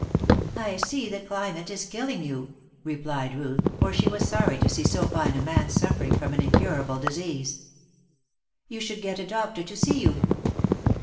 "I see the climate is killing you," replied Ruth, for she was sorry to see so fine a man suffering from an incurable disease. "You should get a doctor to see you."